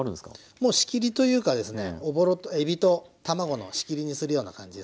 もう仕切りというかですねえびと卵の仕切りにするような感じですかね。